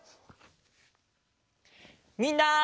みんな。